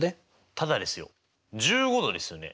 ただですよ１５°ですよね。